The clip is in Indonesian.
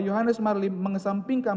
johannes marlim mengesampingkan